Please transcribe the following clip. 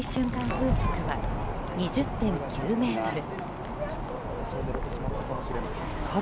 風速は２０．９メートル。